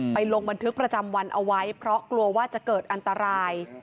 ลงบันทึกประจำวันเอาไว้เพราะกลัวว่าจะเกิดอันตราย